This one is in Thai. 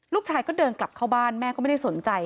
ลูกชายก็เดินกลับเข้าบ้านแม่ก็ไม่ได้สนใจ